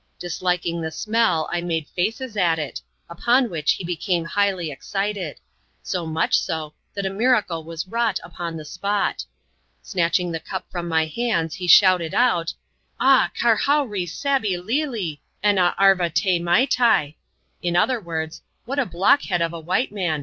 Disliking the smell, I made faces at it ; upon which he became highly excited; so much so, that a miracle was wrought upon the spot. Snatdt^ ing the cup from my hand^ he shouted out, *^ Ah, karhowree isabbee lee lee, ena arva tee maitai!" in other words. What a blockead of a white man